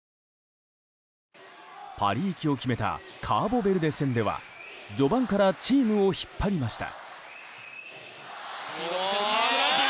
パリ行きを決めたカーボベルデ戦では序盤からチームを引っ張りました。